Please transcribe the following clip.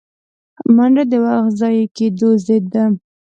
منډه د وخت ضایع کېدو ضد ده